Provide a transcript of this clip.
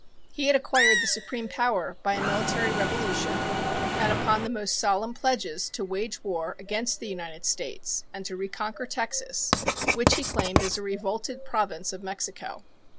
He had acquired the supreme power by a military revolution and upon the most solemn pledges to wage war against the United States and to reconquer Texas, which he claimed as a revolted province of Mexico.